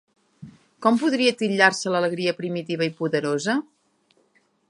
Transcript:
Com podria titllar-se l'alegria primitiva i poderosa?